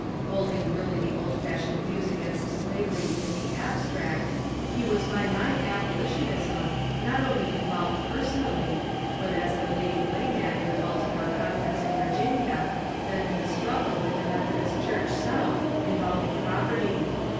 Holding really the old fashioned views against slavery ^^ in the abstract," he was by my " abolitionism " not only involved personally, but as the leading layman in the Baltimore Conference in Virginia, then in a struggle with the Methodist Church South involving property.